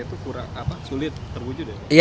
apa itu kurang apa sulit terwujud ya